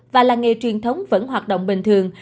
và làng nghề truyền thống vẫn hoạt động bình thường